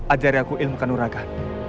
ajari aku ilmu kanuraga